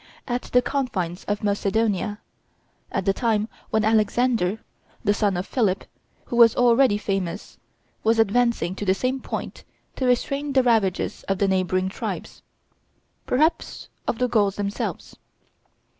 at the confines of Macedonia, at the time when Alexander, the son of Philip, who was already famous, was advancing to the same point to restrain the ravages of the neighboring tribes, perhaps of the Gauls themselves.